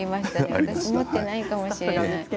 私、持っていないかもしれない。